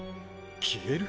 消える？